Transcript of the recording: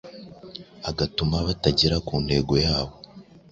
agatuma batagera ku ntego yabo